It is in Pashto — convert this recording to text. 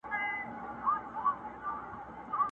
دلته هلته له خانانو سره جوړ وو.!